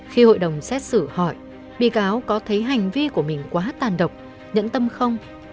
khi hội đồng xét xử hỏi bị cáo có thấy hành vi của mình quá tàn độc nhẫn tâm không